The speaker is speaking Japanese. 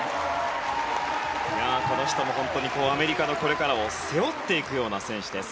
この人もアメリカのこれからを背負っていくような選手です。